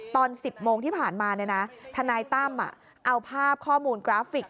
ตอน๑๐โมงที่ผ่านมาทนายตั้มเอาภาพข้อมูลกราฟิก